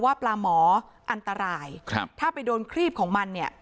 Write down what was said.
ว่าปลาหมออันตรายครับถ้าไปโดนครีบของมันเนี่ย